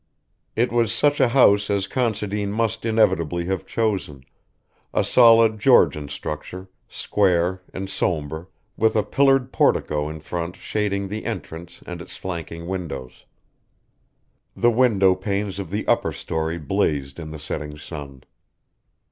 It was such a house as Considine must inevitably have chosen, a solid Georgian structure, square and sombre, with a pillared portico in front shading the entrance and its flanking windows. The window panes of the upper storey blazed in the setting sun.